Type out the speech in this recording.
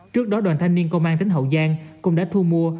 trước đó đoàn thanh niên công an tỉnh hậu giang cũng đã thu mua